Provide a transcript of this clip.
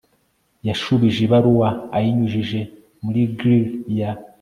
yashubije ibaruwa ayinyujije muri grill ya